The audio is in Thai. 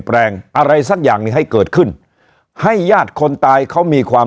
แรงอะไรสักอย่างหนึ่งให้เกิดขึ้นให้ญาติคนตายเขามีความ